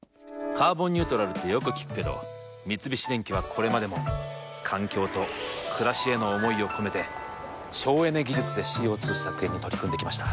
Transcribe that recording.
「カーボンニュートラル」ってよく聞くけど三菱電機はこれまでも環境と暮らしへの思いを込めて省エネ技術でＣＯ２削減に取り組んできました。